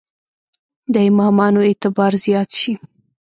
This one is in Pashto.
د امامانو اعتبار زیات شي.